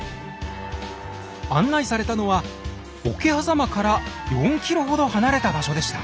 案内されたのは桶狭間から４ｋｍほど離れた場所でした。